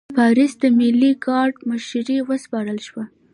پاریس د ملي ګارډ مشري وسپارل شوه.